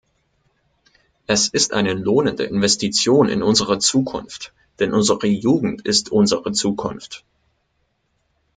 Es ist eine lohnende Investition in unsere Zukunft, denn unsere Jugend ist unsere Zukunft!